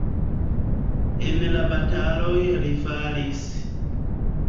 En la bataloj li falis.